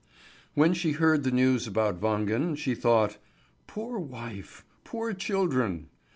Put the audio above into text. When she heard the news about Wangen she thought: "Poor wife! Poor children!"